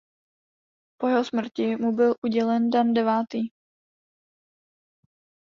Po jeho smrti mu byl udělen dan devátý.